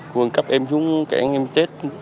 phường cấp em xuống kẹn em tết